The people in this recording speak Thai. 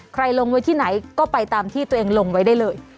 ลงไว้ที่ไหนก็ไปตามที่ตัวเองลงไว้ได้เลย